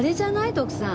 徳さん。